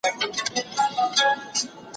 له يوه لاسه ټک نه خېژي.